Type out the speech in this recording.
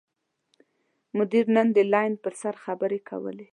مدیر نن د لین پر سر خبرې کولې.